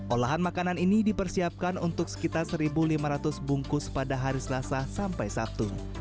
olahan makanan ini dipersiapkan untuk sekitar satu lima ratus bungkus pada hari selasa sampai sabtu